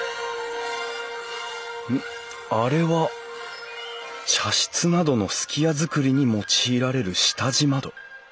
あれは茶室などの数寄屋造りに用いられる下地窓。